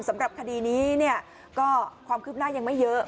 สำหรับคดีนี้เนี่ยก็ความคืบหน้ายังไม่เยอะ